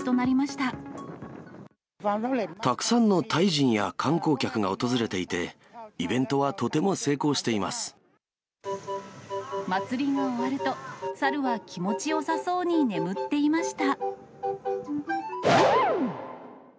たくさんのタイ人や観光客が訪れていて、祭りが終わると、猿は気持ちよさそうに眠っていました。